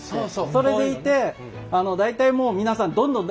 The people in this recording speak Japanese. それでいて大体もう皆さん